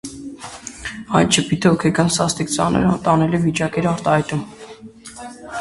այդ ժպիտը հոգեկան սաստիկ ծանր, անտանելի վիճակ էր արտահայտում: